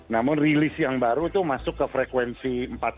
namun rilis yang baru itu masuk ke frekuensi empat puluh